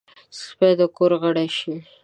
سپي د کور غړی شي.